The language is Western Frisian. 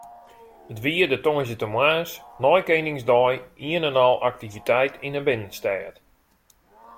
It wie de tongersdeitemoarns nei Keningsdei ien en al aktiviteit yn de binnenstêd.